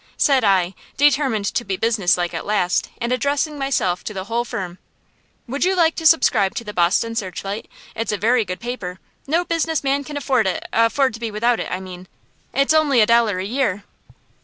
Said I, determined to be businesslike at last, and addressing myself to the whole firm: "Would you like to subscribe to the 'Boston Searchlight?' It's a very good paper. No business man can afford it afford to be without it, I mean. It's only a dollar a year."